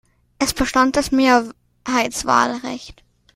Es bestand das Mehrheitswahlrecht.